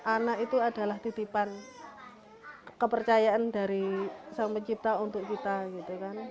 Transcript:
anak itu adalah titipan kepercayaan dari sang pencipta untuk kita gitu kan